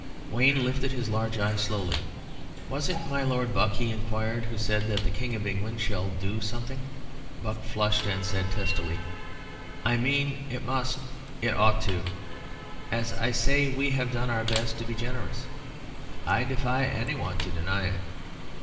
Wayne lifted his large eyes slowly. "Was it my Lord Buck," he inquired, "who said that the King of England 'shall' do something?" Buck flushed and said testily "I mean it must it ought to. As I say, we've done our best to be generous; I defy any one to deny it.